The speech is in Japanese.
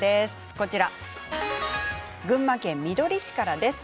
こちら、群馬県みどり市からです。